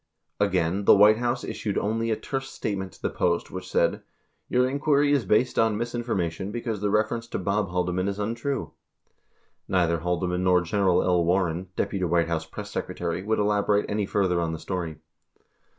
Again, the White House issued only a terse statement to the Post which said: "Your inquiry is based on misinformation because the reference to Bob Haldeman is untrue." Neither Haldeman nor Gerald L. Warren, Deputy White House Press Secretary, would elaborate any further on the story.